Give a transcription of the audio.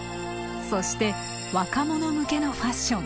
そして若者向けのファッション。